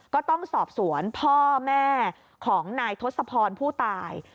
ก็ต้องสอบสวนพ่อแม่ของนายทศพรผู้ตาย